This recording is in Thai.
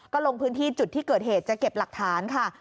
ก็ลงพื้นที่จุดที่เกิดเหตุจะเก็บหลักฐานค่ะ